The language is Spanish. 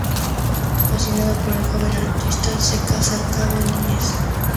Fascinada por el joven artista, se casa al cabo de un mes.